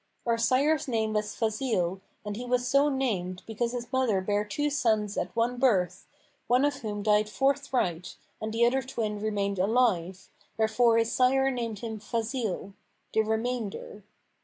Our sire's name was Fazil and he was so named because his mother bare two sons at one birth, one of whom died forthright and the other twin remained alive, wherefore his sire named him Fazil—the Remainder.